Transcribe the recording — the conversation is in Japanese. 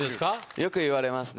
よく言われますね。